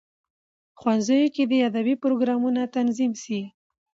ښوونځیو کې دي ادبي پروګرامونه تنظیم سي.